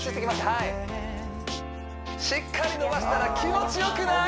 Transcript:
はいしっかり伸ばしたら気持ち良くない？